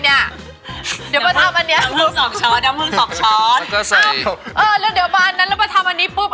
เดี๋ยวก็ทำอันเนี้ย๒ช้อน๒ช้อนแล้วก็ใส่เออแล้วเดี๋ยวมาอันนั้นแล้วก็ทำอันนี้ปุ๊บ